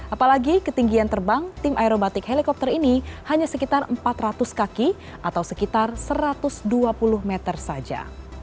apalagi ketinggian terbang tim aerobatik helikopter ini hanya sekitar empat ratus kaki atau sekitar satu ratus dua puluh meter saja